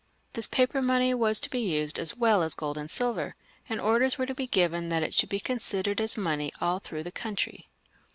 This paper money was to be used as well as gold and silver, and orders were to be given that it should be considered as money all through the country.